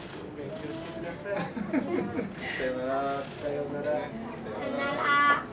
さようなら。